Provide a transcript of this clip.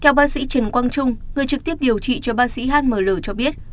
theo bác sĩ trần quang trung người trực tiếp điều trị cho bác sĩ hml cho biết